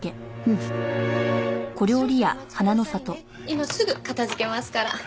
今すぐ片付けますから。